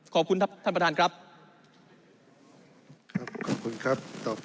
ขอบคุณครับท่านประดานครับ